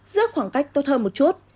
giữa khoảng cách tốt hơn một chút